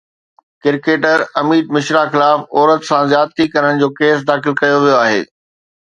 cricketer Amit Mishra خلاف عورت سان زيادتي جو ڪيس داخل ڪيو ويو آهي